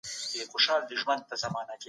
د دولت د مصارفو له لاري کیفیت بهتر کیږي.